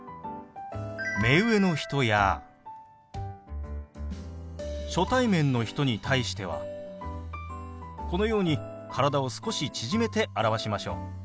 目上の人や初対面の人に対してはこのように体を少し縮めて表しましょう。